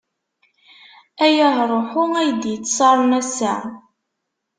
Ay ahṛuḥu, ay d-ittṣaren ass-a.